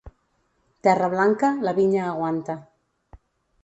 Terra blanca, la vinya aguanta.